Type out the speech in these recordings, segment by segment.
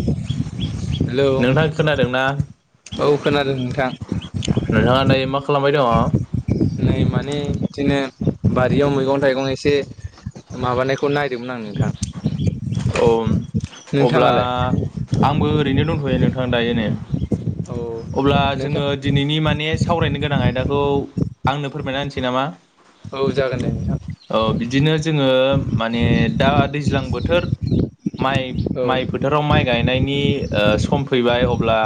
[inaudible] Hello नोंथां खोनादोंना औ खोनादों नोंथां। नोंथाङा दायो मा खालामबाय दङ औ नै माने बिदिनो बारियाव मैगं थाइगं एसे माबानायखौ नायदोंमोन आं नोंथां। औ अब्ला नोंथाङालाय आंबो ओरैनो दंथ'यो नोंथां दायोनै। औ अब्ला नोंथां जोङो दिनैनि माने सावरायनो गोनां आयदाखौ आंनो फोरमायना होनसै नामा औ जागोन दे नोंथां औ बिदिनो जोङो माने दा दैज्लां बोथोर माइ औ माइ फोथोराव माइ गाय नायनि गायनायनि सम फैबाय अब्ला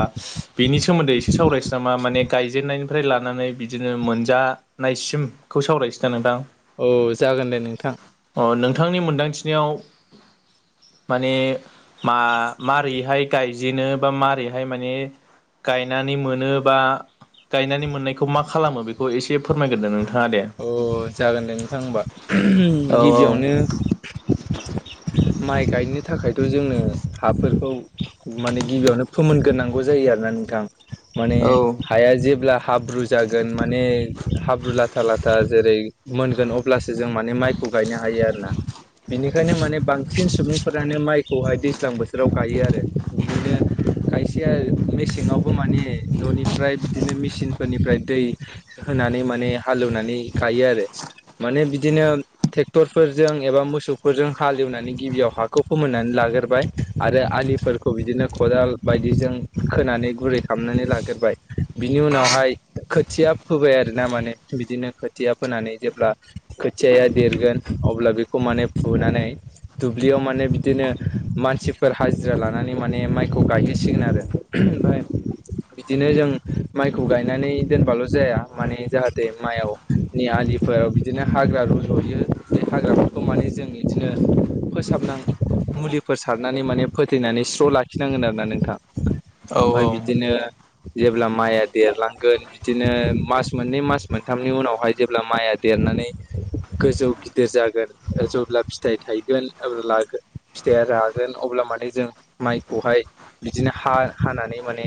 बिनि सोमोन्दै एसे सावरायसै नामा माने गायजेनायनिफ्राय लानानै बिदिनो मोनजानायसिमखौ सावरायसदों नोंथां। औ जागोन दे नोंथां नोंथांनि मोनदांथिनायाव माने मा मारैहाय गायजेनो बा मारैहाय माने गायनानै मोनो बा गायनानै मोननायखौ मा खालामो बेखौ एसे फोरमायग्रोदो नों अ जागोन दे नोंथां होमबा औ औ गिबियावनो [inaudible] माइ गायनो थाखायथ' जोंनो हाफोरखौ माने गिबियावनो फोमोनग्रोनांगौ जायो आरोना नोंथां माने हाया जेब्ला हाब्रु जागोन माने हाब्रु ला लाथा लाथा जेरै मोनगोन अब्लासो जों माने माइखौ गायनो हायो आरो ना। बेनिखायनो माने बांसिन सुबुंफोरानो माइखौहाय दैज्लां बोथोराव गायो आरो बिनिनो [inaudible] खायसेया मेसेङावबो माने न'निफ्राय बिदिनो मेचनफोरनिफ्राय दै होना नै माने हालेवनानै गायो आरो। माने बिदिनो ट्रेक्टरफोरजों एबा मोसौफोरजों हालेवनानै गिबियाव हाखौ फोमोननानै ला ग्रोबाय आरो आलिफोरखौ बिदिनो खदाल बायदिजों खोनानै गुरै खालामनानै लाग्रो बाय बिनि उनावहाय खोथिया फोबाय आरोना माने बिदिनो खोथिया फोनानै जेब्ला खोथियाया देरगोन अब्ला बेखौ माने फोनानै दुब्लियाव माने बिदिनो मानसिफोर हाजिरा लानानै माने माइखौ गायहै सिगोन आरो। ओमफ्राय बिदिनो जों माइखौ गायनानै दोनबाल' जाया माने जाहा दे मायाव नि आलिफोराव बिदिनो हाग्रा रजुयो बे हाग्राफोरखौ माने जों बिदिनो फोसाब नां मुलिफोर सारनानै माने फोथैनानै स्र' लाखिनांगोन आरो ना नोंथां। औ ओमफ्राय बिदिनो जेब्ला माइया देरलांगोन बिदिनो मास मोननै मास मोनथामनि उनावहाय जेब्ला माइआ देरनानै गोजौ गिदिर जागोन जेब्ला फिथाइ था यगोन [unintelligible] फिथाइया रागोन अब्ला माने जों माइखौहाय बिदिनो हा हानानै माने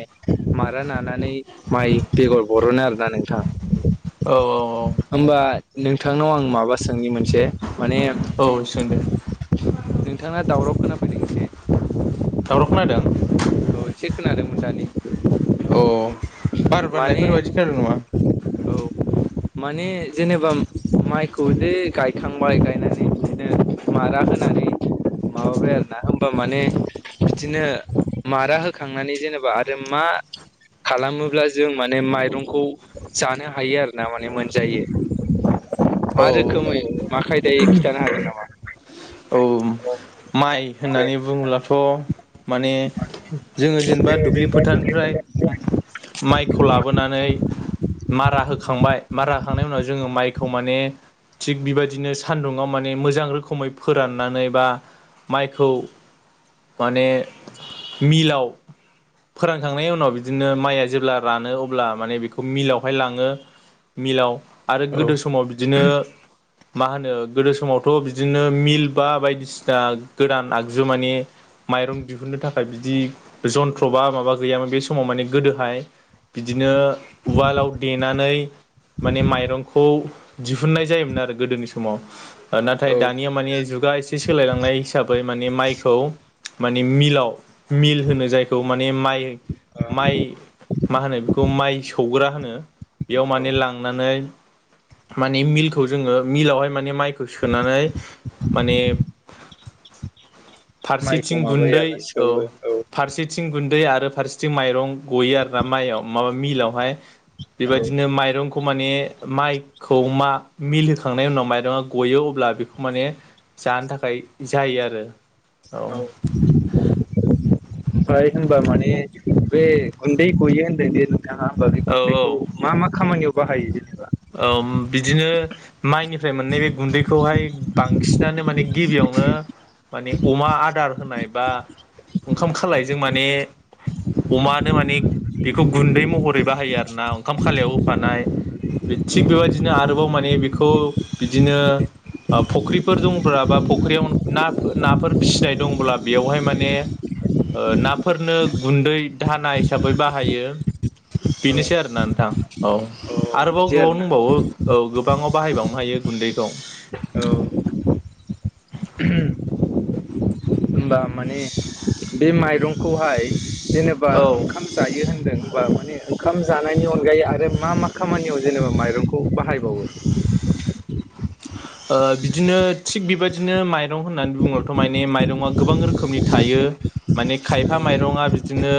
मारा नानानै माइ बेगर बरोनो आरोना नोंथां। औ औ औ होमबा नोंथांनाव आं माबा सोंनि मोनसे औ सोंदो नोंथांना दावराव खोनाफैदों एसे दावराव खोनादों? औ एसे [unintelligible] अ बार बारनायफोर माने बायदि खोनादोंनामा? औ माने जेनेबा माइखौ जे गायखांबाय गायनानै बिदिनो मारा होनानै माबाबाय आरो ना होनबा माने बिदिनो मारा होखांनानै जेनेबा आरो मा खालामोब्ला जों माने माइरंखौ जानो हा यो आरो ना माने मोनजायो? मा औ रोखोमै मा खायदायै खिथानो हागोन नामा? औ माइ होननानै बुङोलाथ' माने जोङो जेनेबा दुब्लि फोथारनिफ्राय माइखौ लाबोनानै मारा हो खांबाय मारा होखांनायनि उनाव जोङो माइखौ माने थिग बेबायदिनो सान्दुङाव माने मोजां रोखोमै फोराननानै बा माइखौ माने मिलाव फोरानखांनायनि उनाव बिदिनो माइआ जेब्ला रानो अब्ला माने बेखौ मिलावहाय लाङो मिलाव आरो औ गोदो समाव बिदिनो मा होनो गोदो समावथ' बिदिनो मिल बा बायदिसि ना गोदान आगजुु माने माइरं दिहुननो थाखाय बिदि जन्थ्र' बा माबा गैयामोन बे समाव माने गोदोहाय बिदिनो उवालाव देनानै माने माइरंखौ दिहुननाय जायोमोन आरो गोदोनि समाव। नाथाय औ दानिया माने जुगा एसे सोलायलांनाय हिसाबै माने माइखौ माने मिलाव मिल होनो जायखौ माने माइ माइ मा होनो बेखौ माइ सौग्रा होनो। बेयाव औ माने लांनानै माने मिलखौ जोङो मिलावहाय माने माइखौ सोनानै माने माइखौ फारसेथिं माबायो गुन्दै आरो औ सौवो फारसेथिं गुन दै आरो फारसेथिं माइरं गयो आरो ना माइआव माबा मिलावहाय। औ बेबायदिनो माइरंखौ माने माइखौ मा मिल होखांनायनि उनाव माइरङा गयो अब्ला बेखौ माने जानो थाखाय य जायो आरो। औ फाय होमबा मानि बे गुन्दै गयो होनदों दे थाङा होमबा बे औ औ गुन्दैखौ मा मा खामानियाव बाहायो? जेनेबा? औ बिदिनो माइनिफ्राय मोननाय बे गुन्दैखौहाय बांसिनानो माने गिबियावनो माने अमा आदार होनाय बा ओंखाम खालायजों माने अमानो माने बेखौ गुन्दै महरै बाहायो आरो ना ओंखाम खालायाव होफानाय थिग बेबायदिनो आरोबाव माने बेखौ बिदिनो ओ फुख्रिफोर दंब्ला बा फख्रियावा नाफोर फिसिनाय दंब्ला बेयावहाय माने ओ नाफोरनो गुन्दै दाना हिसाबै बाहायो। बेनोसै आरोना नोंथां औ अ आरोबाव बिदि गोबां आरोना दंबावो औ गोबाङाव बाहायबावनो हायो गुन्दैखौ। औ [unintelligible] होनबा माने बे माइरंखौहाय जेनेबा औ ओंखाम जायो होनदों बा माने ओंखाम जानायनि अनगायै आरो मा-मा खामानियाव जेनेबा माइरंखौ बाहायबावो? ओ बिदिनो थिग बेबायदिनो माइरं होननानै बुङोबथ' माने माइरंआ गोबां रोखोमनि थायो। यो माने खायफा ओंखाम मइरंआ बिदिनो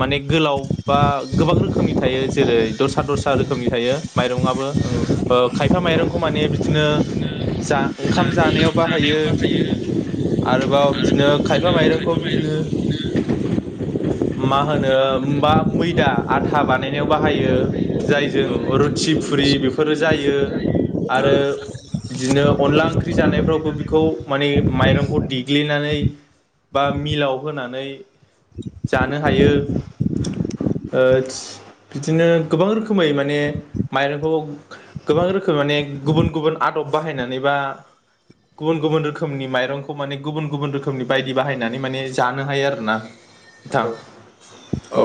माने गोलावा बा गोबां रोखोम थायो जेरै दस्रा-दस्रा रोखोमनि थायो माइरं आबो ओ खायफा मइरंखौ माने बिदिनो जा ओंखाम जानायाव बाहायो। आरोबाव बिदिनो खायफा माइरंखौ बिदिनो [unintelligible] मा होनो बा मैदा आथा बानायनायाव बाहायो जायजों रुथि फुरि बेफोरो जायो आरो बिदिनो अनला ओंख्रि जानायफ्रावबो बेखौ नोंथाङा माने माइरंखौ देग्लिनानै बा मिलाव होनानै जानो हायो। ओ बिदिनो गोबां रोखोमै माने माइरंखौ गोबां रोखोम खो माने गुबुन-गुबुन आदब बाहायनानै बा गुबुन-गुबुन रोखोमनि माइरंखौ माने गुबुन गुबुन रोखोमनि बायदि बाहायनानै माने जानो हायो आरो ना नोंथां औ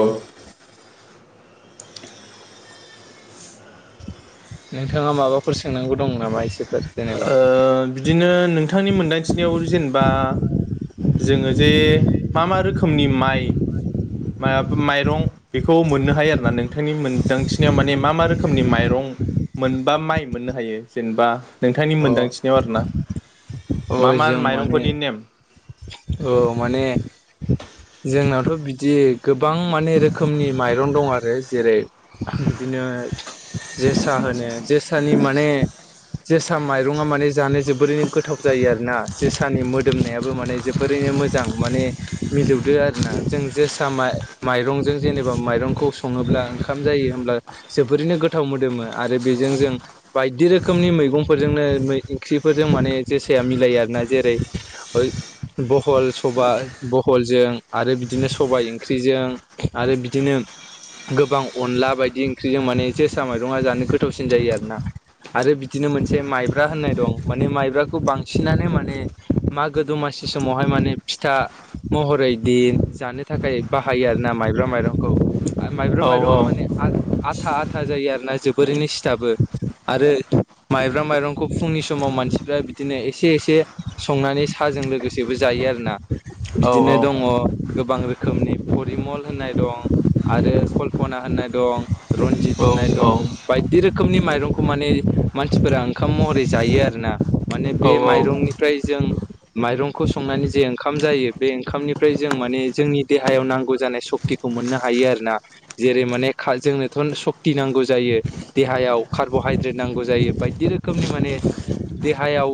नोंथाङा माबाफोर सोंनांगौ दं नामा एसे। ओ बिदिनो नोंथांनि मोनदांथिनियाव जेनेबा जोङो जे मा-मा रोखोमनि माइ मा माइरं बेखौ मोननो हायो आरोना नोंथांनि मोनदांथिनायाव माने मा-मा रोखोमनि माइरं मोनबा माइ मोननो हायो जेनेबा नोंथांनि अ मोनदांथिनायाव आरोना। अ मा-मा जों माने माइरंफोरनि नेम औ माने जोंनावथ' बिदि गोबां माने रोखोमनि माइरं दं आरो जेरै बिदिनो जोसा होनो जोसानि माने जोसा माइरङा माने जानो जोबोरैनो गोथाव जायो आरोना जोसानि मोदोमनायाब बो माने जोबोरैनो मोजां माने मिलौद आरोना जों जोसा मइरं जेब बा माइखौ सङोब्ला ओंखाम जायो होब्ला जोबोरैनो गोथाव मोदोमो आरो बेजों जों बायदि रोखोमनि मैगंफोरजोंनो ओंख्रिफोरजों माने जोसाया मिलायो आरोना जेरै ओय बहल सबाय बहलजों आरो बिदिनो सबाय ओंख्रिजों आरो बिदिनो गोबां अनला बायदि ओंख्रिजों माने जोसा माइरङा जानो गोथावसिन जायो आरोना। आरो बिदिनो मोनसे माइब्रा होननाय दं माने माइब्राखौ बांसिनानो माने मा गो दमासि समावहाय माने फिथा महरै दिन जानो थाखाय बाहायो आरोना माइब्रा मा माइरंखौ माइब्रं औ माइरङा औ माने आथा-आथा जायो आरोना जोबोरैनो सिथाबो आरो माइब्राम माइरंखौ फुंनि समाव मानसिफ्रा बिदिनो एसे एसे संनानै साहाजों लोगोसेबो जायो आरोना औ बिदिनो दङ। गोबां रोखोमनि परिमल होननाय दं आरो कल्पना होननाय दं रनजित औ होनाय दं औ बायदि रोखोमनि माइरंखौ माने मानसिफोरा ओंखाम महरै जायो आरो ना। माने औ बे औ माइरंनिफ्राय जों माइरंखौ संनानै जे ओंखाम जायो बे ओंखामनिफ्राय जों माने जोंनि देहायाव नांगौ जानाय सक्तिखौ मोन मोननो हायो आरोना जेरै माने जोंनोथ' सक्ति नांगौ जायो देहायाव कार्बहाइड्रेट बिदि नांगौ जायो बायदि रोखोमनि माने देहायाव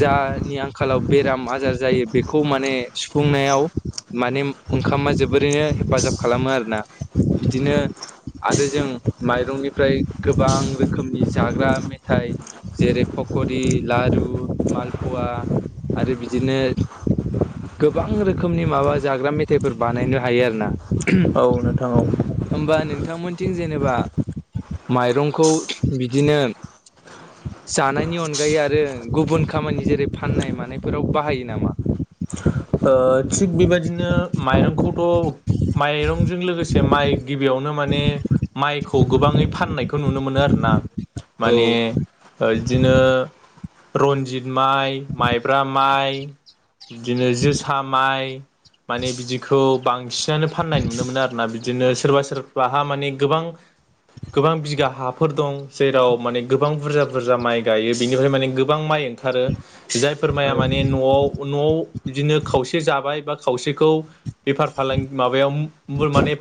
जानि आंखालाव बेराम माजा जायो बेखौ माने सुफुंनायाव माने ओंखामा जोबोरैनो हेफाजाब खालामो मा आरोना बिदिनो आरो जों माइरंनिफ्राय गोबां रोखोमनि जाग्रा मेथाइ जेरै फब सुरि लारु मालफुवा आरो फिथा बिदिनो गोबां रोखोमनि माबा जाग्रा मेथाइफोर बानायनो हायो आरो ना औ नोंथां औ। बिथां मोनथिं जेनेबा माइरंखौ बिदिनो जानायनि अनगायै आरो गुबुन खामानि जेरै फाननाय मानायफोराव ब बाहायो नामा ओ थिग बेबायदिनो माइरंखौथ' माइरं बिजों लोगोसे माइ गिबियावनो माने माइखौ गोबाङै फाननायखौ नुनो मोनो आरोना। माने बिदिनो रनजित माइ माइब्रा माइ बिदिनो जोस माइ माने बिदिखौ बांसिनानो फाननाय नुनो मोनो आरोना बि बिदिनो सोरबा सोरबाहा माने गोबां गोबां बिगा हाफोर दं जेराव माने गोबां बुरजा बुरजा माइ गायो बेनिफ्राय माने गोबां माइ ओथारो जायफोर औ माया औ माने न'आव न'आव बिदिनो खावसे जाबाय बा खावसेखौ बेफार फालांगि माबायाव बेफोर माने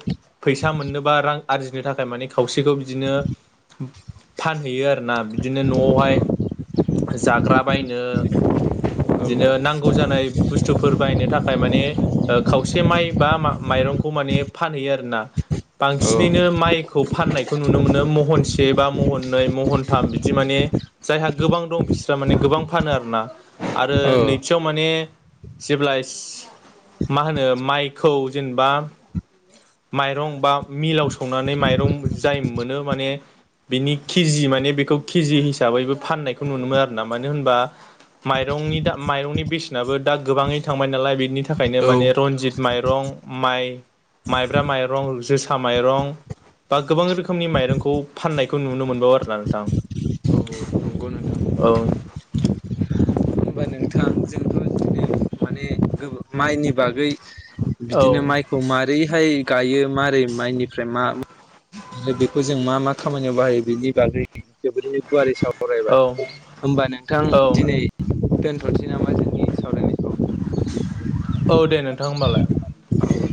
फैसा मोननो बा रां आरजिनो थाखाय माने खावसेखौ बिदिनो फानहैयो आरोना बिदिनो औ न'आवहाय जाग्रा बायनो। बिदिनो नांगौ जानाय बुस्थुफोर बायनो थाखाय माने ओ खसे एसे माइ बा माइरंखौ माने फानहैयो आरोना बांसिनैनो औ माइखौ फाननायखौ नुनो मोनो महनसे बा महननै महनथाम बिदि माने जायहा गोबां दं बिसोरहा माने गोबां फानो आरो ना। आरो औ नैथियाव माने जेब्ला इस मा होनो माइखौ जेनेबा माइरं बा मिलाव सौनानै माइरं जाय मोनो माने बिनि केजि माने बेखौ केजि हिसाबैबो फाननायखौ नुनो मोनो आरो ना माने होनबा माइरंनि दा माइरंनि बेसेनाबो दा गोबाङै थांबाय नालाय बिनि बिनि थाखैनो औ माने रनजित माइरं माइ माइब्रा माइरं जोसा सा माइरं बबा गोबां रोखोमनि माइरंखौ फान्नायखौ नुनो मोनबावो आरोना नोंथां। नंगौ नोंथां औ। होमबा [unintelligible] माने माइनि बागै औ बिदिनो माइखौ माबारैहाय गायो मारै माइनिफ्राय मा बेखौ जों मा मा खामानियाव बाहायो बेनि बागै जोबोरै गुवारारै साव औ सरायबाय होमबा नोंथां औ दिनै दोनथ'नोसै नामा जोंनि सावरायनायखौ। औ दे नोंथां होनबालाय। औ।